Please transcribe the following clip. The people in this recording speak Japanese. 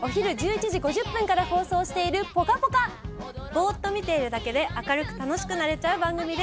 ぼーっと見ているだけで明るく楽しくなれちゃう番組です。